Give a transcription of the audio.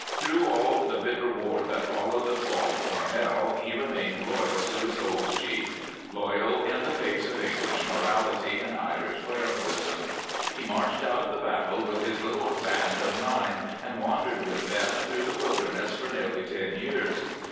Through all the bitter war that followed the fall of Parnell he re mained loyal to his old chief — loyal in the face of English morality and Irish clericalism. He marched out of the battle with his little band of nine, and wandered with them through the wilderness for nearly ten years.